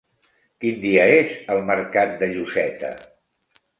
Quin dia és el mercat de Lloseta?